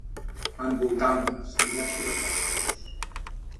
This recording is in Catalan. Envoltant-les, diversos apòstols.